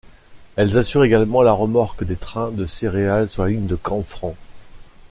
Elles assurent également la remorque des trains de céréales sur la ligne de Canfranc.